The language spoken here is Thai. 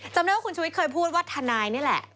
จำได้ว่าคุณชุวิตเคยพูดว่าทนายนี่แหละ